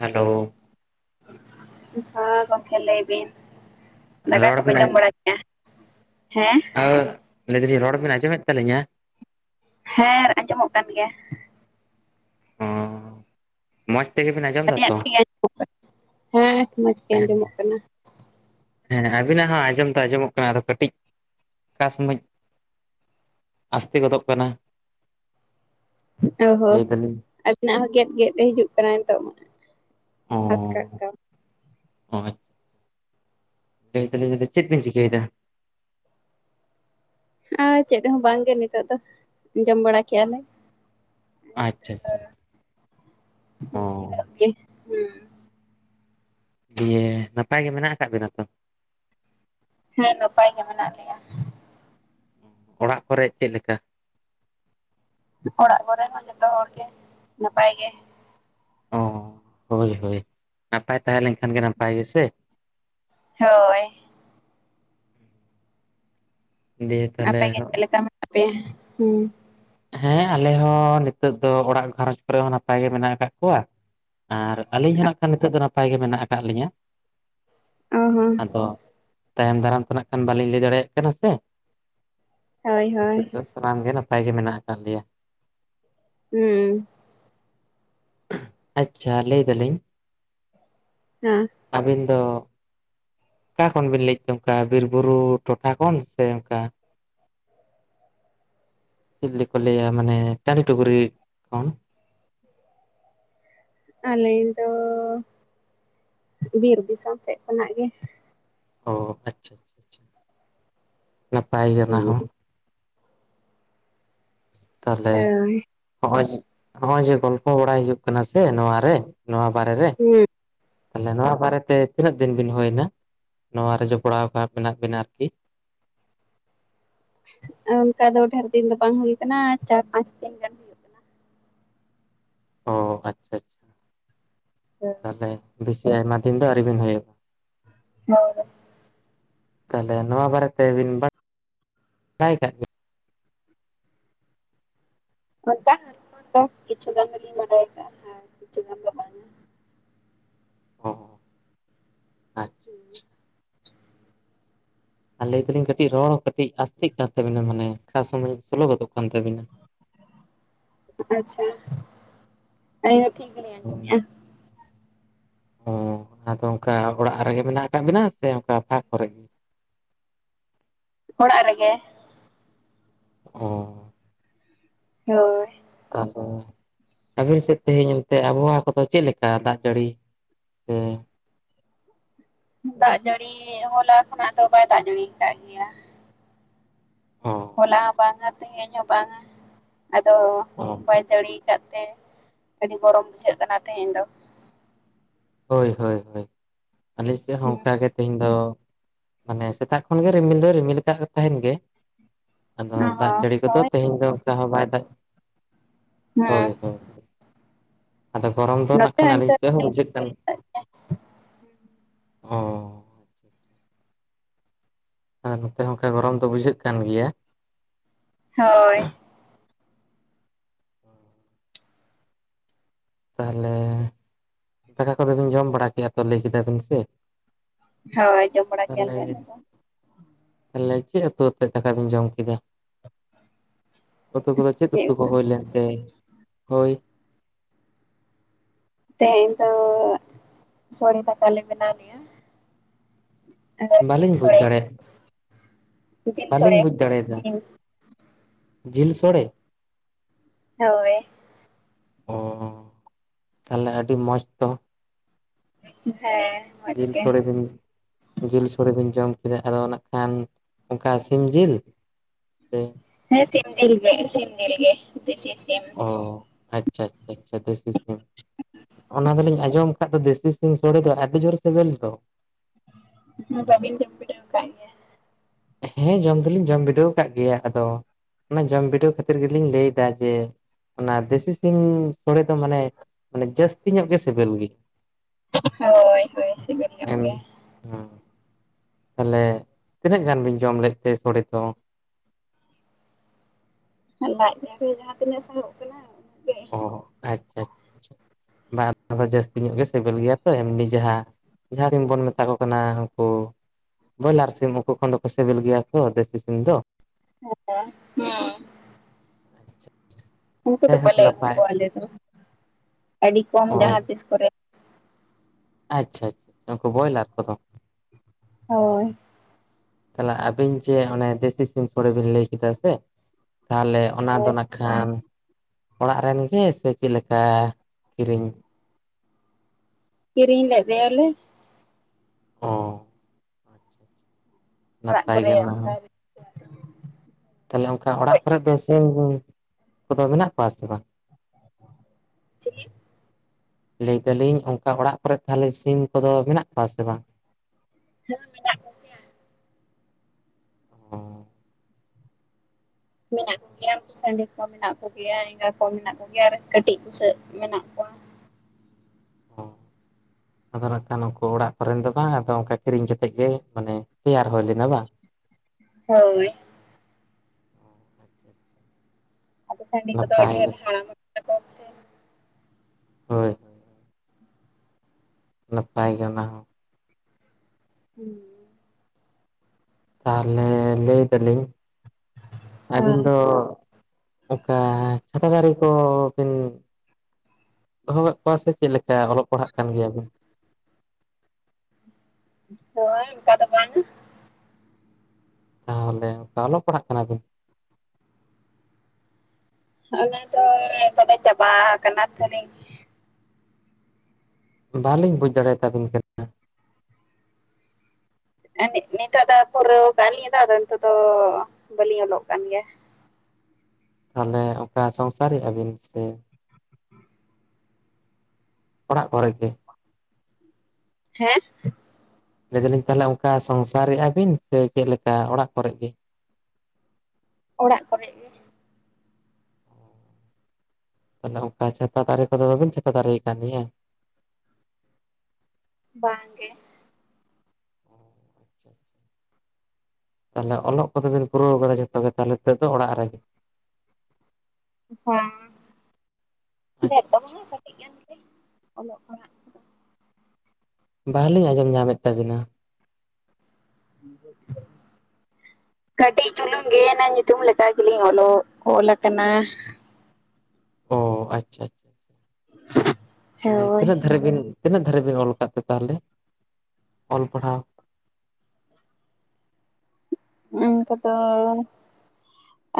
Hello. ᱦᱮᱸ ᱜᱚᱢᱠᱮ ᱞᱟᱹᱭ ᱵᱤᱱ, ᱫᱟᱠᱟ ᱨᱚᱲ ᱠᱚᱯᱮ ᱵᱤᱱ ᱡᱚᱢ ᱵᱟᱲᱟ ᱦᱮᱸ ᱾ ᱦᱮᱸ ᱞᱟᱹᱭ ᱫᱟᱹᱞᱤᱧ ᱨᱚᱲ ᱵᱮᱱ ᱟᱸᱡᱚᱢᱮᱫ ᱛᱟᱹᱞᱤᱧᱟ? ᱦᱮᱸ ᱟᱸᱡᱚᱢᱚᱜ ᱠᱟᱱ ᱜᱮᱭᱟ ᱾ ᱦᱚᱸ ᱾ ᱢᱚᱸᱡᱽ ᱛᱮᱜᱮᱵᱮᱱ ᱟᱸᱡᱚᱢ ᱟᱹᱞᱤᱧᱟᱜ ᱫᱟᱛᱚ? ᱴᱷᱤᱠ ᱜᱮ ᱦᱮᱸ ᱢᱚᱸᱡᱽ ᱜᱮ ᱟᱸᱡᱚᱢᱚᱜ ᱠᱟᱱᱟ ᱦᱮᱸ ᱟᱵᱤᱱᱟᱜ ᱦᱚᱸ ᱟᱸᱡᱚᱢ ᱫᱚ ᱟᱸᱡᱚᱢᱚᱜ ᱠᱟᱱᱟ ᱟᱫᱚ ᱠᱟᱹᱴᱤᱡ ᱾ ᱚᱠᱟ ᱥᱚᱢᱚᱡ ᱟᱥᱛᱮ ᱜᱚᱫᱚᱜ ᱠᱟᱱᱟ ᱾ ᱚ ᱦᱚᱸ ᱟᱹᱵᱤᱱᱟᱜ ᱦᱚᱸ ᱜᱮᱫ ᱜᱮᱫ ᱛᱮ ᱦᱤᱡᱩᱜ ᱠᱟᱱᱟ ᱱᱤᱛᱚᱜᱼᱢᱟ᱾ ᱟᱴᱠᱟᱜ ᱠᱟᱱ ᱾ ᱚᱸᱡ ᱞᱟᱹᱭ ᱫᱟᱹᱞᱤᱧ ᱟᱫᱚ ᱪᱮᱫ ᱵᱤᱱ ᱪᱤᱠᱟᱹᱭᱮᱫᱟ? ᱟᱨ ᱪᱮᱫ ᱦᱚᱸ ᱵᱟᱝᱜᱮ ᱱᱤᱛᱚᱜ ᱫᱚ ᱟᱸᱡᱚᱢ ᱵᱟᱲᱟ ᱠᱮᱜᱼᱟ ᱞᱮ᱾ ᱟᱪᱪᱷᱟ ᱟᱪᱪᱷᱟ ᱟᱨ ᱱᱤᱛᱚᱜ ᱚ ᱫᱚ ᱡᱤᱨᱟᱹᱜ ᱜᱮ ᱦᱩᱸ ᱾ ᱫᱤᱭᱮ, ᱱᱟᱯᱟᱭ ᱜᱮ ᱢᱮᱱᱟᱜ ᱟᱠᱟᱫ ᱵᱤᱱᱟ ᱛᱚ? ᱦᱮᱸ ᱱᱟᱯᱟᱭ ᱜᱮ ᱢᱮᱱᱟᱜ ᱞᱮᱭᱟ ᱾ ᱚᱲᱟᱜ ᱠᱚᱨᱮᱡ ᱪᱮᱫ ᱞᱮᱠᱟ? ᱚᱲᱟᱜ ᱠᱚᱨᱮ ᱦᱚᱸ ᱡᱚᱛᱚ ᱦᱚᱲ ᱜᱮ ᱱᱟᱯᱟᱭ ᱜᱮ ᱾ ᱚ ᱦᱳᱭ ᱦᱳᱭ ᱱᱟᱯᱟᱭ ᱛᱟᱦᱮᱸ ᱞᱮᱱᱠᱷᱟᱱ ᱜᱮ ᱱᱟᱯᱟᱭ ᱜᱮᱥᱮ ᱦᱳᱭ ᱾ ᱫᱤᱭᱮ ᱛᱟᱦᱚᱞᱮ ᱟᱯᱮ ᱜᱮ ᱪᱮᱫ ᱞᱮᱠᱟ ᱢᱮᱱᱟᱜ ᱯᱮᱭᱟ ᱦᱩᱸ? ᱦᱮᱸ ᱟᱞᱮ ᱦᱚᱸ ᱱᱤᱛᱚᱜ ᱫᱚ ᱚᱲᱟᱜ ᱜᱷᱟᱨᱚᱧᱡᱽ ᱠᱚᱨᱮ ᱦᱚᱸ ᱱᱟᱯᱟᱭ ᱜᱮ ᱢᱮᱱᱟᱜ ᱟᱠᱟᱫ ᱠᱚᱣᱟ ᱾ ᱟᱨ ᱟᱹᱞᱤᱧ ᱦᱚᱸ ᱱᱟᱜ ᱠᱷᱟᱱ ᱱᱤᱛᱚᱜ ᱫᱚ ᱱᱟᱯᱟᱭ ᱜᱮ ᱢᱮᱱᱟᱜ ᱟᱠᱟᱫ ᱞᱤᱧᱟᱹ ᱾ ᱚ ᱦᱚᱸ ᱟᱫᱚ ᱛᱟᱭᱚᱢ ᱫᱟᱨᱟᱢ ᱠᱷᱚᱱᱟᱜ ᱠᱷᱟᱱ ᱵᱟᱞᱤᱧ ᱞᱟᱹᱭ ᱫᱟᱲᱮᱭᱟᱜ ᱠᱟᱱᱟ ᱥᱮ ᱦᱳᱭ ᱟᱫᱚ ᱦᱳᱭ ᱱᱤᱛᱚᱜ ᱫᱚ ᱥᱟᱱᱟᱢ ᱜᱮ ᱱᱟᱯᱟᱭ ᱜᱮ ᱢᱮᱱᱟᱜ ᱟᱠᱟᱫ ᱞᱮᱭᱟ ᱦᱩᱸ ᱾ ᱟᱪᱪᱷᱟ ᱞᱟᱹᱭ ᱫᱟᱞᱤᱧ ᱦᱮᱸ ᱟᱹᱵᱤᱱ ᱫᱚ ᱚᱠᱟ ᱠᱷᱚᱱ ᱵᱤᱱ ᱞᱟᱹᱭᱮᱫ ᱛᱮ ᱚᱱᱠᱟ ᱵᱤᱨᱵᱩᱨᱩ ᱴᱚᱴᱷᱟ ᱠᱷᱚᱱ ᱥᱮ ᱚᱠᱟ? ᱪᱮᱫ ᱞᱮᱠᱚ ᱞᱟᱹᱭᱟ ᱢᱟᱱᱮ ᱴᱟᱸᱰᱤ ᱴᱩᱜᱨᱤ ᱠᱷᱚᱱ ᱾ ᱟᱞᱤᱧ ᱫᱚ ᱵᱤᱨ ᱫᱤᱥᱚᱢ ᱥᱮᱫ ᱠᱷᱚᱱᱟᱜ ᱜᱮ ᱾ ᱚ ᱟᱪᱪᱷᱟ, ᱟᱪᱷᱟ ᱟᱪᱷᱟ ᱱᱟᱯᱟᱭ ᱜᱮ ᱚᱱᱟ ᱦᱩᱸ ᱦᱚᱸ ᱾ ᱛᱟᱦᱚᱞᱮ ᱦᱳᱭ ᱦᱚᱸᱜ ᱦᱚᱸᱜᱚᱭ ᱡᱮ ᱜᱚᱞᱯᱚ ᱵᱟᱲᱟᱭ ᱦᱩᱭᱩᱜ ᱠᱟᱱᱟ ᱥᱮ ᱱᱚᱣᱟ ᱨᱮ ᱱᱚᱣᱟ ᱵᱟᱨᱮ ᱨᱮ ᱾ ᱦᱩᱸ ᱾ ᱛᱟᱦᱚᱞᱮ ᱱᱚᱣᱟ ᱵᱟᱨᱮᱛᱮ ᱛᱤᱱᱟᱹᱜ ᱫᱤᱱ ᱵᱤᱱ ᱦᱩᱭᱱᱟ? ᱱᱚᱣᱟ ᱨᱮ ᱡᱚᱯᱲᱟᱣ ᱠᱟᱜ ᱢᱮᱱᱟᱜ ᱵᱤᱱᱟ ᱟᱨᱠᱤ? ᱚᱱᱠᱟ ᱫᱚ ᱰᱷᱮᱨ ᱫᱤᱱ ᱫᱚ ᱵᱟᱝ ᱦᱩᱭ ᱠᱟᱱᱟ ᱪᱟᱨ ᱯᱟᱸᱪ ᱫᱤᱱ ᱜᱟᱱ ᱾ ᱚ ᱟᱪᱪᱷᱟ ᱟᱪᱪᱷᱟ ᱛᱟᱦᱚᱞᱮ ᱵᱮᱥᱤ ᱟᱭᱢᱟ ᱫᱤᱱ ᱫᱚ ᱟᱹᱣᱨᱤᱵᱤᱱ ᱦᱩᱭᱩᱜᱼᱟ ᱾ [unintelligible] ᱛᱟᱦᱚᱞᱮ ᱱᱚᱣᱟ ᱵᱟᱨᱮᱛᱮᱵᱤᱱ ᱵᱟᱲᱟᱭ ᱵᱟᱲᱟᱭ ᱠᱟᱜ ᱜᱮᱭᱟ ᱾ ᱚᱱᱠᱟ ᱫᱚ ᱠᱤᱪᱷᱩ ᱜᱟᱱ ᱫᱚᱞᱤᱧ ᱵᱟᱰᱟᱭ ᱠᱟᱜ-ᱟ ᱟᱨ ᱠᱤᱪᱷᱩ ᱜᱟᱱ ᱫᱚ ᱵᱟᱝ ᱾ ᱚ ᱟᱪᱪᱷᱟ ᱾ [unintelligible] ᱟᱨ ᱞᱟᱹᱭ ᱫᱟᱞᱤᱧ ᱠᱟᱹᱴᱤᱡ ᱨᱚᱲ ᱠᱟᱹᱴᱤᱡ ᱟᱥᱛᱮᱜ ᱠᱟᱱ ᱛᱟᱹᱵᱤᱱᱟ ᱢᱟᱱᱮ ᱠᱷᱟᱥ ᱥᱚᱢᱚᱭ ᱥᱳᱞᱳ ᱜᱚᱫᱚᱜ ᱠᱟᱱ ᱛᱟᱹᱵᱤᱱᱟ ᱾ ᱟᱪᱪᱷᱟ ᱟᱹᱞᱤᱧ ᱫᱚ ᱴᱷᱤᱠ ᱜᱮᱞᱤᱧ ᱟᱸᱡᱚᱢᱮᱜᱼᱟ ᱾ ᱚ ᱟᱫᱚ ᱚᱱᱠᱟ ᱚᱲᱟᱜ ᱨᱮᱜᱮ ᱢᱮᱱᱟᱜ ᱟᱠᱟᱫ ᱵᱤᱱᱟ ᱥᱮ ᱚᱱᱠᱟ ᱯᱷᱟᱠ ᱠᱚᱨᱮ ᱜᱮ ᱚᱲᱟᱜ ᱨᱮᱜᱮ ᱾ ᱚ ᱼᱼ [unintelligible] ᱛᱟᱞᱦᱮ? ᱟᱵᱮᱱ ᱥᱮᱫ ᱛᱮᱦᱮᱧ ᱮᱱᱛᱮ ᱟᱵᱚᱦᱟᱣᱟ ᱠᱚᱫᱚ ᱪᱮᱫ ᱞᱮᱠᱟ ᱫᱟᱜ ᱡᱟᱹᱲᱤ ᱥᱮ ᱼᱼ ᱫᱟᱜ ᱡᱟᱹᱲᱤ ᱦᱚᱞᱟ ᱠᱷᱚᱱᱟᱜ ᱫᱚ ᱵᱟᱭ ᱫᱟᱜ ᱡᱟᱹᱲᱤ ᱟᱠᱟᱜ ᱜᱮᱭᱟ ᱾ ᱚ ᱦᱚᱞᱟ ᱦᱚᱸ ᱵᱟᱝᱟ ᱛᱮᱦᱮᱧ ᱦᱚᱸ ᱵᱟᱝᱟ ᱟᱫᱚ ᱚ [inaudible] ᱡᱟᱹᱲᱤ ᱠᱟᱜ ᱛᱮ ᱟᱹᱰᱤ ᱜᱚᱨᱚᱢ ᱵᱩᱡᱷᱟᱹᱜ ᱠᱟᱱᱟ ᱛᱮᱦᱮᱸᱧ ᱫᱚ ᱾ ᱦᱳᱭ ᱦᱳᱭ ᱟᱞᱮ ᱥᱮᱫ ᱦᱚᱸ ᱦᱩᱸ ᱚᱱᱠᱟᱜᱮ ᱛᱮᱦᱮᱧ ᱫᱚ ᱼᱼ ᱢᱟᱱᱮ ᱥᱮᱛᱟᱜ ᱠᱷᱚᱱ ᱜᱮ ᱨᱤᱢᱤᱞ ᱫᱚ ᱨᱤᱢᱤᱞ ᱠᱟᱜ ᱛᱟᱦᱮᱱ ᱜᱮ ᱾ ᱟᱫᱚ ᱚ ᱫᱟᱜ ᱦᱚᱸ ᱡᱟᱹᱲᱤ ᱠᱚᱫᱚ ᱦᱳᱭ ᱛᱮᱦᱮᱧ ᱫᱚ ᱚᱱᱠᱟ ᱦᱚᱸ ᱵᱟᱭ ᱫᱟᱜ ᱼᱼ ᱦᱮᱸ ᱦᱳᱭ ᱦᱳᱭ ᱟᱫᱚ ᱜᱚᱨᱚᱢ ᱫᱚ ᱱᱚᱛᱮ ᱱᱟᱜ ᱠᱷᱟᱱ ᱟᱹᱞᱤᱧ ᱤᱱᱠᱟᱹ ᱥᱮᱫ ᱦᱚᱸ ᱨᱮᱸᱜᱮᱡ ᱵᱩᱡᱷᱟᱹᱜ ᱠᱟᱱᱟ ᱾ ᱚᱻ ᱟᱨ ᱱᱚᱛᱮ ᱦᱚᱸ ᱚᱱᱠᱟ ᱜᱚᱨᱚᱢ ᱫᱚ ᱵᱩᱡᱷᱟᱹᱜ ᱠᱟᱱ ᱜᱮᱭᱟ ᱾ ᱦᱳᱭ ᱾ ᱛᱟᱦᱞᱮ ᱫᱟᱠᱟ ᱠᱚᱫᱚ ᱵᱤᱱ ᱡᱚᱢ ᱵᱟᱲᱟ ᱠᱮᱫᱼᱟ ᱛᱚ ᱞᱟᱹᱭ ᱠᱮᱫᱟ ᱵᱤᱱ ᱥᱮ? ᱦᱳᱭ ᱡᱚᱢ ᱵᱟᱲᱟ ᱛᱟᱦᱚᱞᱮ ᱠᱮᱭᱟᱞᱮ ᱟᱞᱮ ᱫᱚ ᱾ ᱛᱟᱦᱚᱞᱮ ᱪᱮᱫ ᱩᱛᱩ ᱟᱛᱮᱫ ᱫᱟᱠᱟ ᱵᱮᱱ ᱡᱚᱢ ᱠᱮᱫᱟ ᱩᱛᱩ ᱠᱚᱫᱚ ᱪᱮᱫ ᱩᱛᱩ ᱠᱚ ᱦᱳᱭ ᱞᱮᱱᱛᱮ ᱦᱳᱭ ᱛᱮᱦᱮᱧ ᱫᱚ ᱥᱚᱲᱮ ᱫᱟᱠᱟ ᱞᱮ ᱵᱮᱱᱟᱣ ᱞᱮᱜ-ᱟ ᱵᱟᱹᱞᱤᱧ ᱵᱩᱡᱽ ᱥᱚᱲᱮ ᱫᱟᱲᱮ ᱡᱤᱞ ᱟᱠᱟᱜ-ᱟ ᱵᱟᱹᱞᱤᱧ ᱥᱚᱲᱮ ᱵᱩᱡᱽ ᱫᱟᱲᱮᱭᱟᱫᱟ ᱥᱤᱢ ᱡᱤᱞ ᱥᱚᱲᱮ ᱦᱳᱭ ᱚ ᱛᱟᱦᱚᱞᱮ ᱟᱹᱰᱤ ᱢᱚᱡᱽ ᱛᱚ ᱦᱮᱸ ᱢᱚᱡᱽ ᱡᱤᱞ ᱜᱮ ᱥᱚᱲᱮ ᱵᱤᱱ ᱡᱤᱞ ᱥᱚᱲᱮ ᱵᱤᱱ ᱡᱚᱢ ᱠᱮᱫᱟ ᱟᱫᱚ ᱱᱟᱜ-ᱠᱷᱟᱱ ᱚᱱᱠᱟ ᱥᱤᱢ ᱡᱤᱞ ᱥᱮ ᱦᱮᱸ ᱥᱤᱢ ᱡᱤᱞ ᱜᱮ ᱥᱤᱢ ᱡᱤᱞ ᱜᱮ ᱫᱮᱥᱤ ᱥᱤᱢ ᱚ ᱟᱪᱪᱷᱟ ᱟᱪᱪᱷᱟ ᱟᱪᱪᱷᱟ ᱫᱮᱥᱤ ᱥᱤᱢ ᱚᱱᱟ ᱫᱚᱞᱤᱧ ᱟᱸᱡᱚᱢ ᱟᱠᱟᱫ ᱫᱚ ᱫᱮᱥᱤ ᱥᱤᱢ ᱥᱚᱲᱮ ᱫᱚ ᱟᱹᱰᱤ ᱡᱳᱨ ᱥᱮᱵᱤᱞ ᱫᱚ ᱦᱩᱸ ᱵᱟᱵᱤᱱ ᱡᱚᱢ ᱵᱤᱰᱟᱹᱣ ᱟᱠᱟᱫ ᱜᱮᱭᱟ ᱦᱮᱸ ᱡᱚᱢ ᱫᱚᱞᱤᱧ ᱡᱚᱢ ᱵᱤᱰᱟᱹᱣ ᱟᱠᱟᱫ ᱜᱮᱭᱟ ᱟᱫᱚ, ᱚᱱᱟ ᱡᱚᱢ ᱵᱤᱰᱟᱹᱣ ᱠᱷᱟᱹᱛᱤᱨ ᱜᱮ ᱞᱤᱧ ᱞᱟᱹᱭ ᱮᱫᱟ ᱡᱮ ᱚᱱᱟ ᱫᱮᱥᱤ ᱥᱤᱢ ᱥᱚᱲᱮ ᱫᱚ ᱢᱟᱱᱮ ᱡᱟᱹᱥᱛᱤ ᱧᱚᱜ ᱜᱮ ᱥᱮᱵᱤᱞ ᱜᱮ ᱦᱳᱭ ᱦᱳᱭ ᱥᱮᱵᱤᱞ ᱧᱚᱜᱽ [unintelligible] ᱛᱟᱦᱚᱞᱮ ᱛᱤᱱᱟᱹᱜ ᱜᱟᱱ ᱵᱤᱱ ᱡᱚᱢ ᱞᱮᱫ ᱛᱮ ᱥᱚᱲᱮ ᱫᱚ ᱞᱟᱡ ᱠᱚᱨᱮ ᱡᱟᱦᱟᱸ ᱛᱤᱱᱟᱹᱜ ᱥᱟᱦᱚᱵ ᱟᱠᱟᱱᱟ ᱩᱱᱟᱹᱜ ᱜᱮ ᱚ ᱟᱪᱪᱷᱟ ᱟᱪᱪᱷᱟ ᱵᱟᱝ ᱟᱫᱚ ᱡᱟᱹᱥᱛᱤ ᱧᱚᱜ ᱜᱮ ᱥᱮᱵᱤᱞ ᱜᱮᱭᱟ ᱛᱚ ᱮᱢᱱᱤ ᱡᱟᱦᱟᱸ ᱡᱟᱦᱟᱸ ᱥᱤᱢ ᱵᱚᱱ ᱢᱮᱛᱟ ᱠᱚ ᱠᱟᱱᱟ ᱦᱟᱹᱱᱠᱩ ᱵᱚᱭᱞᱟᱨ ᱥᱤᱢ ᱩᱱᱠᱩ ᱠᱷᱚᱱ ᱫᱚᱠᱚ ᱥᱤᱵᱤᱞ ᱜᱮᱭᱟ ᱛᱚ ᱫᱮᱥᱤ ᱥᱤᱢ ᱫᱚ [unintelligible] ᱟᱪᱪᱷᱟ ᱩᱱᱠᱩ ᱫᱚ ᱡᱟᱭᱦᱳᱠ ᱵᱟᱞᱮ ᱟᱹᱜᱩ ᱱᱟᱯᱟᱭ ᱠᱚᱣᱟ ᱟᱞᱮ ᱫᱚ ᱟᱹᱰᱤ ᱠᱚᱢ ᱚ ᱡᱟᱦᱟᱸ ᱛᱤᱥ ᱠᱚᱨᱮ ᱟᱪᱪᱷᱟ ᱟᱪᱪᱷᱟ ᱩᱱᱠᱩ ᱵᱚᱭᱞᱟᱨ ᱠᱚᱫᱚ ᱦᱳᱭ ᱛᱟᱦᱚᱞᱮ ᱟᱵᱤᱱ ᱡᱮ ᱚᱱᱮ ᱫᱮᱥᱤ ᱥᱤᱢ ᱥᱳᱲᱮ ᱵᱤᱱ ᱞᱟᱹᱭ ᱠᱮᱫᱟ ᱥᱮ ᱛᱟᱦᱚᱞᱮ ᱚᱱᱟ ᱦᱳᱭ ᱫᱚ ᱱᱟᱜ-ᱠᱷᱟᱱ ᱚᱲᱟᱜ ᱨᱮᱱ ᱜᱮ ᱥᱮ ᱪᱮᱫ ᱞᱮᱠᱟ ᱠᱤᱨᱤᱧ ᱠᱤᱨᱤᱧ ᱞᱮᱫ ᱫᱮᱭᱟᱞᱮ ᱚ ᱟᱪᱪᱷᱟ ᱟᱪᱪᱷᱟ ᱚᱲᱟᱜ ᱱᱟᱯᱟᱭ ᱠᱚᱨᱮ ᱜᱮ ᱚᱱᱠᱟ ᱜᱤ... ᱛᱟᱦᱞᱮ ᱚᱱᱠᱟ ᱚᱲᱟᱜ ᱜᱚᱡ ᱠᱚᱨᱮᱫ ᱫᱚ ᱞᱮᱠᱟᱱ ᱥᱤᱢ ᱠᱚᱫᱚ ᱢᱮᱱᱟᱜ ᱠᱚᱣᱟ ᱥᱮ ᱵᱟᱝ ᱪᱮᱫ ᱞᱟᱹᱭ ᱮᱫᱟᱞᱤᱧ ᱚᱱᱠᱟ ᱚᱲᱟᱜ ᱠᱚᱨᱮ ᱛᱟᱦᱚᱞᱮ ᱥᱤᱢ ᱠᱚᱫᱚ ᱢᱮᱱᱟᱜ ᱠᱚᱣᱟ ᱥᱮ ᱵᱟᱝ ᱦᱮᱸ ᱢᱮᱱᱟᱜ ᱠᱚᱜᱮᱭᱟ [unintelligible] ᱢᱮᱱᱟᱜ ᱠᱚ ᱜᱮᱭᱟ ᱟᱪᱪᱷᱟ ᱩᱱᱠᱩ ᱟᱪᱪᱷᱟ, ᱥᱟᱺᱰᱤ ᱠᱚ ᱢᱮᱱᱟᱜ ᱠᱚ ᱜᱮᱭᱟ ᱮᱸᱜᱟ ᱠᱚ ᱢᱮᱱᱟᱜ ᱠᱚ ᱜᱮᱭᱟ ᱟᱨ ᱠᱟᱹᱴᱤᱡ ᱵᱩᱥᱟᱹᱜ ᱢᱮᱱᱟᱜ ᱠᱚᱣᱟ ᱚ ᱟᱫᱚ ᱱᱟᱜᱠᱷᱟᱱ ᱩᱱᱠᱩ ᱚᱲᱟᱜ ᱠᱚᱨᱮᱱ ᱫᱚ ᱵᱟᱝ ᱟᱫᱚ ᱚᱱᱠᱟ ᱠᱤᱨᱤᱧ ᱠᱟᱛᱮ ᱜᱮ ᱢᱟᱱᱮ ᱛᱮᱭᱟᱨ ᱦᱩᱭ ᱞᱮᱱᱟ ᱵᱟᱝ ᱦᱚᱭ ᱟᱪᱪᱷᱟ ᱟᱪᱪᱷᱟ ᱦᱟᱹᱱᱰᱤ ᱠᱚᱫᱚ ᱟᱰᱤ ᱱᱟᱯᱟᱭ ᱜᱮ ᱟᱰᱤ ᱦᱟᱲᱟᱢ ᱟᱠᱚ ᱦᱮᱸ ᱦᱳᱭ ᱦᱳᱭ ᱱᱟᱯᱟᱭ ᱜᱮ ᱚᱱᱟ ᱦᱚᱸ ᱦᱮᱸ ᱛᱟᱦᱚᱞᱮ ᱞᱟᱹᱭ ᱮᱫᱟᱞᱤᱧ ᱟᱹᱵᱤᱱ ᱫᱚ ᱚᱠᱟ ᱪᱷᱟᱛᱟ ᱫᱟᱨᱮ ᱠᱚ ᱵᱤᱱ [inaudible] ᱪᱮᱫᱮᱠᱟ ᱚᱞᱚᱜ ᱯᱟᱲᱦᱟᱜ ᱠᱟᱱ ᱜᱮᱭᱟ ᱵᱤᱱ ᱦᱚᱭ ᱚᱱᱠᱟ ᱫᱚ ᱵᱟᱝᱼᱟ ᱛᱟᱦᱚᱞᱮ ᱚᱞᱚᱜ ᱯᱟᱲᱦᱟᱜ ᱠᱟᱱᱟ ᱵᱤᱱ ᱟᱞᱮ ᱫᱚ ᱫᱟᱫᱟ ᱪᱟᱵᱟ ᱠᱟᱱ ᱛᱟᱞᱤᱧ ᱵᱟᱞᱤᱧ ᱵᱩᱡᱽ ᱫᱟᱲᱮᱭᱟᱛᱟᱵᱤᱱ ᱠᱟᱱᱟ ᱱᱤᱛᱚᱜ ᱫᱚ ᱯᱩᱨᱟᱹᱣ ᱠᱟᱜᱟ ᱞᱤᱧ ᱫᱚ ᱟᱫᱚ ᱱᱤᱛᱚᱜ ᱫᱚ ᱵᱟᱹᱞᱤᱧ ᱚᱞᱚᱜ ᱠᱟᱱ ᱜᱮᱭᱟ ᱛᱟᱦᱚᱞᱮ ᱚᱱᱠᱟ ᱥᱚᱝᱥᱟᱨᱮᱜ ᱟᱵᱤᱱ ᱥᱮ ᱚᱲᱟᱜ ᱠᱚᱨᱮ ᱜᱮ ᱦᱮᱸ ᱞᱟᱹᱭ ᱮ ᱫᱟᱞᱤᱧ ᱛᱟᱦᱚᱞᱮ ᱚᱱᱠᱟ ᱥᱚᱝᱥᱟᱨᱮᱫ ᱟᱵᱤᱱ ᱥᱮ ᱪᱮᱫ ᱞᱮᱠᱟ ᱚᱲᱟᱜ ᱠᱚᱨᱮ ᱜᱮ ᱚᱲᱟᱜ ᱠᱚᱨᱮ ᱜᱮ ᱛᱟᱦᱚᱞᱮ ᱚᱱᱠᱟ ᱪᱷᱟᱛᱟ ᱛᱟᱨᱤ ᱠᱚᱫᱚ ᱵᱟᱵᱤᱱ ᱪᱷᱟᱛᱟ [inaudible] ᱵᱟᱝ ᱜᱮ ᱛᱟᱦᱚᱞᱮ ᱚᱞᱚᱜ ᱠᱚᱫᱚ ᱵᱤᱱ ᱯᱩᱨᱟᱹᱣ ᱠᱟᱫᱟ ᱡᱚᱛᱚ ᱜᱮ ᱛᱟᱦᱚᱞᱮ ᱱᱤᱛᱚᱜ ᱫᱚ ᱚᱲᱟᱜ ᱨᱮᱜᱮ ᱦᱮᱸ ᱰᱮᱨ ᱟᱪᱪᱷᱟ ᱫᱚ ᱟᱪᱪᱷᱟ ᱵᱟᱝ ᱠᱟᱹᱴᱤᱡ ᱜᱟᱱ ᱜᱮ ᱚᱞᱚᱜ ᱯᱟᱲᱦᱟᱜ ᱵᱟᱞᱤᱧ ᱟᱸᱡᱚᱢ ᱧᱟᱢᱮᱫ ᱛᱟᱵᱤᱱᱟ [unintelligible] ᱠᱟᱹᱴᱤᱡ ᱪᱩᱞᱩᱝ ᱜᱮ ᱧᱩᱛᱩᱢ ᱞᱮᱠᱟ ᱜᱮ ᱞᱤᱧ ᱚᱞᱚᱜ ᱚᱞ ᱟᱠᱟᱱᱟ ᱚ ᱟᱪᱪᱷᱟ ᱟᱪᱪᱷᱟ ᱦᱳᱭ ᱛᱤᱱᱟᱹᱜ ᱫᱷᱟᱨᱮ ᱵᱤᱱ ᱛᱤᱱᱟᱹᱜ ᱫᱷᱟᱨᱮ ᱵᱤᱱ ᱚᱞ ᱟᱠᱟᱫ ᱛᱮ ᱛᱟᱦᱚᱞᱮ ᱚᱞ ᱯᱟᱲᱦᱟᱣ ᱚᱱᱠᱟ ᱫᱚ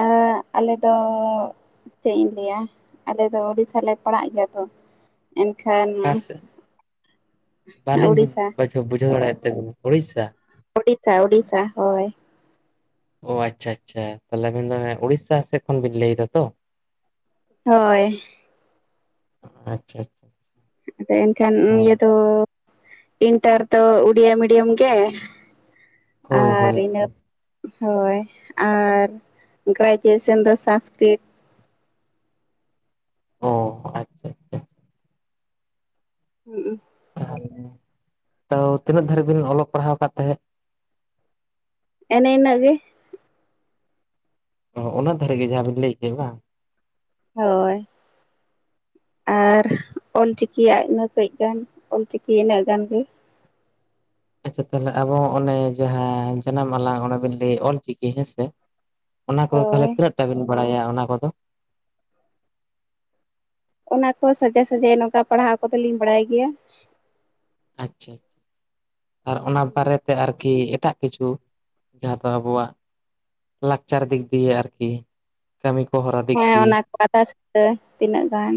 ᱟ ᱟᱞᱮ ᱫᱚ ᱪᱮᱫ ᱤᱧ ᱞᱟᱹᱭᱟ ᱟᱞᱮ ᱩᱲᱤᱥᱥᱟ ᱞᱮ ᱯᱟᱲᱟᱜ ᱜᱮᱭᱟ ᱛᱚ ᱮᱱᱠᱷᱟᱱ ᱚᱠᱟ ᱥᱮᱫ? ᱵᱟᱹᱞᱤᱧ ᱩᱲᱤᱥᱥᱟ ᱵᱩᱡᱷᱟᱹᱣ ᱵᱩᱡᱷᱟᱹᱣ ᱫᱟᱲᱮᱭᱟᱜ ᱛᱟᱵᱱᱟ ᱩᱲᱤᱥᱥᱟ ᱳᱰᱤᱥᱥᱟ ᱳᱰᱤᱥᱥᱟ ᱦᱳᱭ ᱚ ᱟᱪᱪᱷᱟ ᱟᱪᱪᱷᱟ ᱛᱟᱦᱚᱞᱮ ᱟᱵᱤᱱ ᱫᱚ ᱩᱲᱤᱥᱥᱟ ᱥᱮᱫ ᱠᱷᱚᱱ ᱵᱤᱱ ᱞᱟᱹᱭ ᱮᱫᱟ ᱛᱚ ᱦᱳᱭ ᱟᱪᱪᱷᱟ ᱟᱪᱪᱷᱟ ᱟᱫᱚ ᱮᱱᱠᱷᱟᱱ ᱦᱮᱸ ᱤᱭᱟᱹ ᱫᱚ ᱤᱱᱴᱟᱨ ᱫᱚ ᱩᱰᱤᱭᱟ ᱢᱤᱰᱤᱭᱟᱢ ᱜᱮ ᱦᱳᱭ ᱟᱨ ᱦᱳᱭ ᱤᱱᱟᱹ ᱦᱳᱭ ᱦᱳᱭ ᱟᱨ ᱜᱨᱮᱡᱩᱭᱮᱥᱚᱱ ᱫᱚ ᱥᱟᱥᱠᱨᱤᱛ ᱚ ᱟᱪᱪᱷᱟ ᱟᱪᱪᱷᱟ ᱦᱩᱸ ᱛᱚ ᱛᱤᱱᱟᱹᱜ ᱫᱷᱟᱹᱨᱤᱡ ᱵᱤᱱ ᱚᱞᱚᱜ ᱯᱟᱲᱦᱟᱣ ᱟᱠᱟᱫ ᱛᱟᱦᱮᱸᱫ ᱮᱱ ᱤᱱᱟᱹᱜ ᱜᱮ ᱚ ᱚᱱᱟ ᱫᱷᱟᱨᱮ ᱜᱮ ᱡᱟᱦᱟᱸ ᱵᱤᱱ ᱞᱟᱹᱭ ᱠᱮᱫᱟ ᱵᱟᱝ ᱦᱳᱭ ᱟᱨ ᱚᱞᱪᱤᱠᱤᱭᱟᱜ ᱤᱱᱟᱹ ᱠᱟᱹᱡ ᱜᱟᱱ ᱚᱞ ᱪᱤᱠᱤ ᱤᱱᱟᱹᱜ ᱜᱟᱱ ᱜᱮ ᱟᱪᱪᱷᱟ ᱛᱟᱦᱚᱞᱮ ᱟᱵᱚ ᱚᱱᱮ ᱡᱟᱦᱟᱸ ᱡᱟᱱᱟᱢ ᱟᱞᱟᱝ ᱚᱱᱟᱵᱤᱱ ᱞᱟᱹᱭᱮᱫ ᱚᱞᱪᱤᱠᱤ ᱦᱮᱸᱥᱮ ᱚᱱᱟ ᱠᱚᱫᱚ ᱛᱟᱦᱚᱞᱮ ᱦᱳᱭ ᱛᱤᱱᱟᱹᱜ ᱴᱟ ᱵᱤᱱ ᱵᱟᱲᱟᱭᱟ ᱚᱱᱟ ᱠᱚᱫᱚ ᱚᱱᱟ ᱠᱚ ᱥᱚᱡᱷᱮ ᱥᱚᱡᱷᱮ ᱱᱚᱝᱠᱟ ᱯᱟᱲᱦᱟᱣ ᱠᱚᱫᱚ ᱞᱤᱧ ᱵᱟᱲᱟᱭ ᱜᱮᱭᱟ ᱟᱪᱪᱷᱟ ᱟᱨ ᱚᱱᱟ ᱵᱟᱨᱮᱛᱮ ᱟᱨᱠᱤ ᱮᱴᱟᱜ ᱠᱤᱪᱷᱩ ᱡᱟᱦᱟᱸ ᱫᱚ ᱟᱵᱚᱣᱟᱜ ᱞᱟᱠᱪᱟᱨ ᱫᱤᱠ ᱫᱤᱭᱮ ᱟᱨᱠᱤ ᱠᱟᱹᱢᱤ ᱠᱚ ᱦᱚᱨᱟ ᱫᱤᱠ ᱦᱮᱸ ᱫᱤᱭᱮ ᱚᱱᱟ ᱠᱚ ᱟᱫᱷᱟ ᱥᱩᱛᱟᱹ ᱛᱤᱱᱟᱹᱜ ᱜᱟᱱ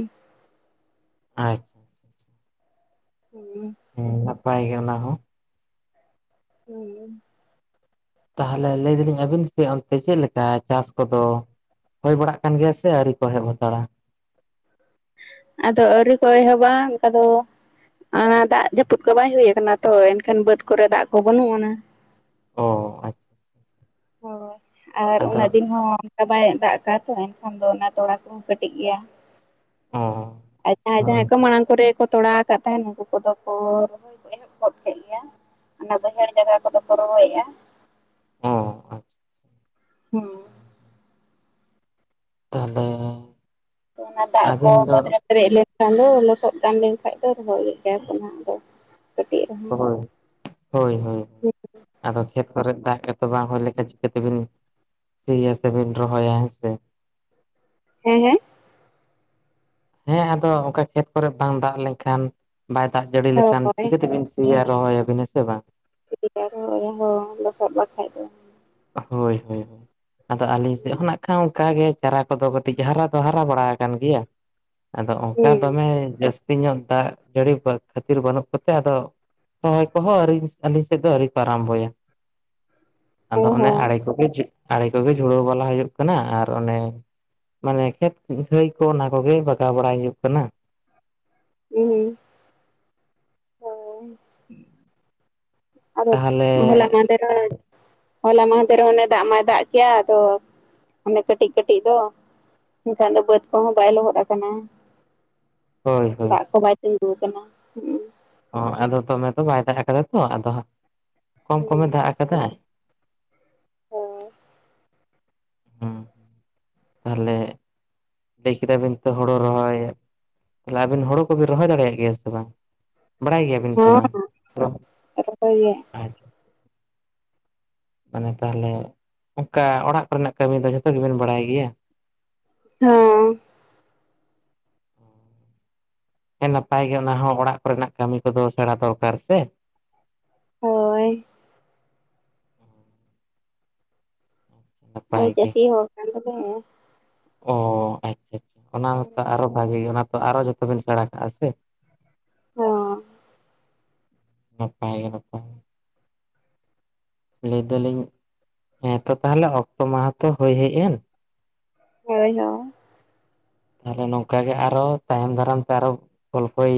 ᱟᱪᱪᱷᱟ ᱦᱩᱸ ᱦᱩᱸ ᱱᱟᱯᱟᱭ ᱜᱮ ᱚᱱᱟ ᱦᱚᱸ ᱦᱩᱸ ᱛᱟᱦᱚᱞᱮ ᱞᱟᱹᱭ ᱫᱟᱞᱤᱧ ᱟᱹᱵᱤᱱ ᱥᱮᱫ ᱚᱱᱛᱮ ᱪᱮᱫ ᱞᱮᱠᱟ ᱪᱟᱥ ᱠᱚᱫᱚ ᱦᱳᱭ ᱵᱟᱲᱟᱜ ᱠᱟᱱ ᱜᱮᱭᱟ ᱥᱮ ᱟᱹᱨᱤ ᱠᱚ ᱦᱮᱡ ᱦᱟᱛᱟᱲᱟ ᱟᱫᱚ ᱟᱹᱣᱨᱤ ᱠᱚ ᱮᱦᱚᱵᱟ ᱚᱱᱠᱟ ᱫᱚ ᱟᱸ ᱫᱟᱜ ᱡᱟᱹᱯᱩᱫ ᱠᱚ ᱵᱟᱭ ᱦᱩᱭᱩ ᱠᱟᱱᱟ ᱛᱚ ᱮᱱᱠᱷᱟᱱ ᱵᱟᱹᱫ ᱠᱚᱨᱮ ᱫᱟᱜ ᱠᱚ ᱵᱟᱹᱱᱩᱜ ᱟᱱᱟ ᱚ ᱟᱪᱪᱷᱟ ᱦᱳᱭ ᱟᱨ ᱟᱪᱪᱷᱟ ᱟᱪᱪᱷᱟ, ᱟᱫᱚ ᱩᱱᱟᱹ ᱫᱤᱱ ᱦᱚᱸ ᱫᱟᱜ ᱵᱟᱭ ᱫᱟᱜ ᱠᱟᱜᱼᱟ ᱥᱮ ᱮᱱᱠᱷᱟᱱ ᱫᱚ ᱚᱱᱟ ᱛᱚᱲᱟ ᱠᱚᱦᱚᱸ ᱠᱟᱹᱴᱤᱡ ᱜᱮᱭᱟ ᱦᱩᱸ ᱟᱨ ᱡᱟᱦᱟᱸᱭ ᱡᱟᱦᱟᱸᱟᱭ ᱠᱚ ᱢᱟᱲᱟᱝ ᱠᱚᱨᱮ ᱠᱚ ᱛᱚᱲᱟᱣ ᱠᱟᱫ ᱛᱟᱦᱮᱸᱱ ᱱᱩᱠᱩ ᱠᱚᱫᱚ ᱠᱚ ᱨᱚᱦᱚᱭ ᱠᱚ ᱮᱦᱚᱵ ᱜᱚᱫ ᱠᱮᱫ ᱜᱮᱭᱟ ᱚᱱᱟ ᱵᱟᱭᱦᱟᱹᱲ ᱡᱟᱜᱟ ᱠᱚᱫᱚ ᱠᱚ ᱨᱚᱦᱚᱭᱮᱜᱼᱟ ᱚ ᱦᱮᱸ ᱛᱟᱦᱞᱮ ᱚᱱᱟ ᱫᱟᱜ ᱠᱚ ᱵᱟᱹᱫᱽᱨᱮ ᱯᱮᱨᱮᱡ ᱞᱮᱱᱠᱷᱟᱱ ᱫᱚ ᱞᱚᱥᱚᱫ ᱠᱟᱱᱞᱮ ᱠᱷᱟᱡ ᱫᱚ ᱨᱚᱦᱚᱭᱮᱫ ᱜᱮᱭᱟ ᱠᱚ ᱦᱟᱸ ᱟᱫᱚ ᱦᱳᱭ ᱦᱳᱭ ᱦᱳᱭ ᱟᱫᱚ ᱠᱷᱮᱛ ᱠᱚᱨᱮ ᱫᱟᱜ ᱜᱮᱛᱚ ᱵᱟᱝ ᱦᱩᱭ ᱞᱮᱠᱷᱟᱱ ᱪᱤᱠᱟᱹᱛᱮᱵᱤᱱ ᱥᱤᱭᱟ ᱥᱮᱵᱤᱱ ᱨᱚᱦᱚᱭᱟ ᱦᱮᱸᱥᱮ ᱦᱮᱸ ᱦᱮᱸ ᱦᱮᱸ ᱟᱫᱚ ᱚᱱᱠᱟ ᱠᱷᱮᱛ ᱠᱚᱨᱮ ᱵᱟᱝ ᱫᱟᱜ ᱞᱮᱱᱠᱷᱟᱱ ᱵᱟᱭ ᱫᱟᱜ ᱡᱟᱹᱲᱤ ᱞᱮᱠᱷᱟᱱ ᱦᱳᱭ ᱪᱤᱠᱟᱹᱛᱮᱵᱤᱱ ᱥᱮᱭᱟ ᱨᱚᱦᱚᱭᱟᱵᱤᱱ ᱦᱮᱸ ᱥᱮ ᱵᱟᱝ [unintelligible] ᱦᱚᱸ ᱞᱚᱥᱚᱫ ᱵᱟᱠᱷᱟᱡ ᱫᱚ ᱦᱳᱭ ᱦᱳᱭ ᱟᱫᱚ ᱟᱹᱞᱤᱧ ᱥᱮᱜ ᱦᱚᱸ ᱱᱟᱜ ᱠᱷᱟᱱ ᱚᱱᱠᱟᱜᱮ ᱪᱟᱨᱟ ᱠᱚᱫᱚ ᱠᱟᱹᱴᱤᱡ ᱦᱟᱨᱟ ᱫᱚ ᱦᱟᱨᱟ ᱵᱟᱲᱟᱣ ᱠᱟᱱ ᱜᱮᱭᱟ ᱟᱫᱚ ᱚᱝᱠᱟ ᱦᱮᱸ ᱫᱚᱢᱮ ᱡᱟᱹᱥᱛᱤ ᱧᱚᱜ ᱫᱟᱜ ᱡᱟᱹᱲᱤ ᱠᱷᱟᱹᱛᱤᱨ ᱵᱟᱹᱱᱩᱜ ᱠᱚᱛᱮ ᱟᱫᱚ ᱨᱚᱦᱚᱭ ᱠᱚᱦᱚᱸ ᱟᱹᱣᱨᱤ ᱟᱹᱞᱤᱧ ᱥᱮᱫ ᱫᱚ ᱟᱹᱣᱨᱤ ᱠᱚ ᱟᱨᱟᱢᱵᱚᱭᱟ ᱚ ᱟᱫᱚ ᱚᱱᱮ ᱦᱚᱸ ᱟᱲᱮ ᱠᱚᱜᱮ ᱟᱲᱮ ᱠᱚᱜᱮ ᱡᱷᱩᱲᱟᱹᱣ ᱵᱟᱞᱟ ᱦᱩᱭᱩᱜ ᱠᱟᱱᱟ ᱟᱨ ᱚᱱᱮ ᱢᱟᱱᱮ ᱠᱷᱮᱛ ᱜᱷᱟᱹᱭ ᱠᱚ ᱚᱱᱟ ᱠᱚᱜᱮ ᱵᱟᱜᱟᱣ ᱵᱟᱲᱟᱭ ᱦᱩᱭᱩᱜ ᱠᱟᱱᱟ ᱤᱧ, ᱚ [inaudible] ᱟᱫᱚ ᱛᱟᱦᱚᱞᱮ ᱦᱚᱞᱟ ᱢᱟᱦᱫᱷᱮᱨ ᱦᱚᱸ ᱦᱚᱞᱟ ᱢᱟᱦᱫᱷᱮ ᱦᱚᱸ ᱚᱱᱮ ᱫᱟᱜ ᱢᱟᱭ ᱫᱟᱜ ᱠᱮᱜ-ᱟ ᱟᱫᱚ ᱚᱱᱮ ᱠᱟᱹᱴᱤᱡ ᱠᱟᱹᱴᱤᱡ ᱫᱚ ᱮᱱᱠᱷᱟᱱ ᱫᱚ ᱵᱟᱹᱫᱽ ᱠᱚᱦᱚᱸ ᱵᱟᱭ ᱞᱚᱦᱚᱫ ᱟᱠᱟᱱᱟ ᱦᱳᱭ ᱦᱳᱭ ᱫᱟᱜ ᱠᱚ ᱵᱟᱭ ᱛᱮᱸᱜᱳ ᱟᱠᱟᱱᱟ ᱦᱩᱸ ᱚᱸ ᱟᱫᱚ ᱫᱚᱢᱮ ᱫᱚ ᱵᱟᱭ ᱫᱟᱜ ᱟᱠᱟᱫᱟ ᱛᱚ ᱟᱫᱚ ᱦᱟᱹᱜ ᱠᱚᱢ ᱠᱚᱢᱮ ᱫᱟᱜ ᱟᱠᱟᱫᱟ ᱦᱳᱭ ᱦᱩᱸ ᱛᱟᱦᱞᱮ ᱞᱟᱹᱭ ᱠᱮᱫᱟᱵᱤᱱ ᱛᱚ ᱦᱳᱲᱳ ᱨᱚᱦᱚᱭ ᱛᱟᱦᱞᱮ ᱟᱵᱤᱱ ᱦᱳᱲᱳ ᱠᱚᱵᱤᱱ ᱨᱚᱦᱚᱭ ᱫᱟᱲᱮᱭᱟᱜ ᱜᱮᱭᱟ ᱥᱮ ᱵᱟᱝ ᱵᱟᱲᱟᱭ ᱜᱮᱭᱟᱵᱤᱱ ᱥᱮ ᱵᱟᱝ ᱟᱫᱚ ᱨᱚᱦᱚᱭ ᱜᱮ ᱟᱪᱪᱷᱟ ᱢᱟᱱᱮ ᱛᱟᱦᱞᱮ ᱚᱝᱠᱟ ᱚᱲᱟᱜ ᱠᱚᱨᱮᱱᱟᱜ ᱠᱟᱹᱢᱤ ᱫᱚ ᱡᱷᱚᱛᱚ ᱜᱮᱵᱮᱱ ᱵᱟᱲᱟᱭ ᱜᱮᱭᱟ ᱦᱮᱸ ᱦᱮᱸ ᱱᱟᱯᱟᱭ ᱜᱮ ᱚᱱᱟ ᱦᱚᱸ ᱚᱲᱟᱜ ᱠᱚᱨᱮᱱᱟᱜ ᱠᱟᱹᱢᱤ ᱠᱚᱫᱚ ᱥᱮᱬᱟ ᱫᱚᱨᱠᱟᱨ ᱥᱮ ᱦᱳᱭ ᱱᱟᱯᱟᱭ ᱟᱫᱚ ᱪᱟᱹᱥᱤ ᱦᱚᱲ ᱠᱟᱱ ᱫᱚᱞᱮ ᱚᱸ ᱟᱪᱪᱷᱟ ᱟᱪᱪᱷᱟ ᱚᱱᱟ ᱢᱟᱛᱚ ᱟᱨᱚ ᱵᱷᱟᱜᱮ ᱜᱮ ᱚᱱᱟ ᱛᱚ ᱟᱨᱚ ᱡᱷᱚᱛᱚ ᱵᱤᱱ ᱥᱮᱬᱟ ᱠᱟᱜᱼᱟ ᱥᱮ ᱦᱚᱸ ᱱᱟᱯᱟᱭ ᱜᱮ ᱱᱟᱯᱟᱭ ᱞᱟᱹᱭ ᱫᱟᱞᱤᱧ ᱦᱮᱸ ᱛᱚ ᱛᱟᱦᱞᱮ ᱚᱠᱛᱚ ᱢᱟᱦᱟ ᱛᱚ ᱦᱳᱭ ᱦᱮᱡ ᱮᱱ ᱦᱳᱭ ᱦᱳ ᱛᱟᱦᱞᱮ ᱱᱚᱝᱠᱟ ᱜᱮ ᱟᱨᱚ ᱛᱟᱭᱚᱢ ᱫᱟᱨᱟᱢ ᱛᱮ ᱟᱨᱚ ᱜᱚᱞᱯᱷᱚᱭ